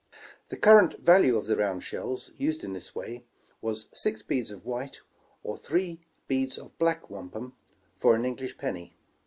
The current value of the round shells, used in this way, was six beads of white, or three heads of black wampum, for an English penny.